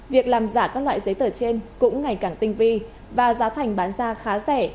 việc làm giả các loại giấy tờ trên cũng ngày càng tinh vi và giá thành bán ra khá rẻ